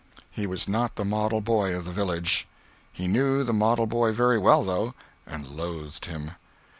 He was not the Model Boy of the village. He knew the model boy very well though—and loathed him.